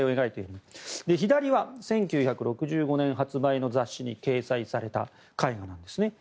左は１９６５年発売の雑誌に掲載された絵画なんですね。